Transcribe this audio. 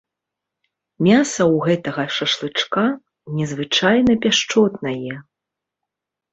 Мяса ў гэтага шашлычка незвычайна пяшчотнае.